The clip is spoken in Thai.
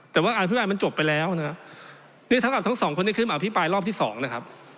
แต่ว่าการอภิปรายมันจบไปแล้วนะฮะนี่เท่ากับทั้งสองคนที่ขึ้นมาอภิปรายรอบที่สองนะครับ